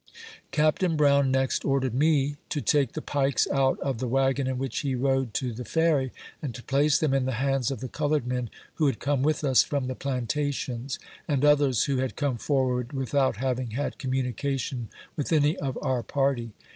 Capt. Brown next ordered me to take the pikes out of the wagon in which he rode to the Ferry, and to place them in the hands of the colored men who had come with us from the plantations, and others who had come forward without having had communication with any of our party.